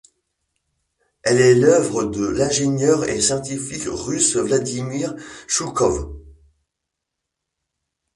Elle est l'œuvre de l'ingénieur et scientifique russe Vladimir Choukhov.